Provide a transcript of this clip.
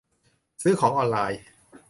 ซื้อของออนไลน์